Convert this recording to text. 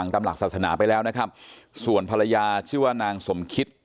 ตามหลักศาสนาไปแล้วนะครับส่วนภรรยาชื่อว่านางสมคิต